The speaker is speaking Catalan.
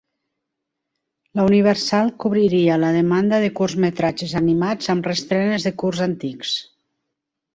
La Universal cobriria la demanda de curtmetratges animats amb reestrenes de curts antics.